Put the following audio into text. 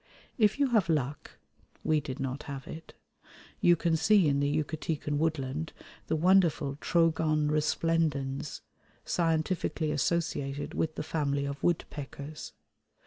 If you have luck (we did not have it), you can see in the Yucatecan woodland the wonderful Trogon resplendens, scientifically associated with the family of woodpeckers.